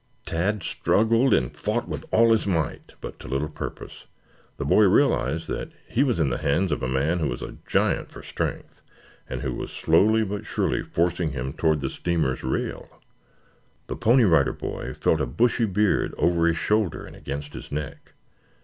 Tad struggled and fought with all his might, but to little purpose. The boy realized that he was in the hands of a man who was a giant for strength and who was slowly but surely forcing him toward the steamer's rail. The Pony Rider Boy felt a bushy beard over his shoulder and against his neck.